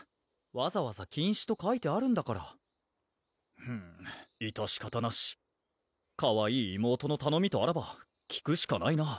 わざわざ禁止と書いてあるんだからむむいたし方なしかわいい妹のたのみとあらば聞くしかないな